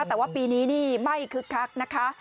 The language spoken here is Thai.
แต่ว่าปีนี้นี่ไม่คึกคักนะคะ